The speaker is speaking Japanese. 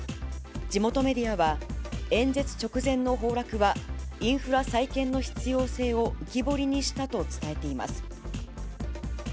地元メディアは、演説直前の崩落は、インフラ再建の必要性を浮き彫りにしたと伝えています。